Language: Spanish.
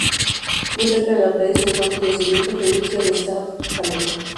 Muy cerca de la playa se encuentra el yacimiento fenicio de Sa Caleta.